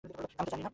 আমি তো জানি না।